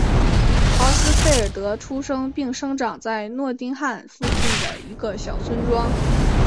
豪斯费尔德出生并生长在诺丁汉附近的一个小村庄。